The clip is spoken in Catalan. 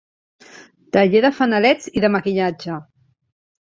Taller de fanalets i de maquillatge.